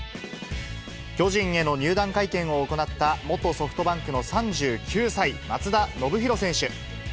巨人への入団会見を行った、元ソフトバンクの３９歳、松田宣浩選手。